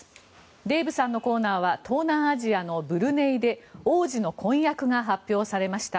デーブさんのコーナーは東南アジアのブルネイで王子の婚約が発表されました。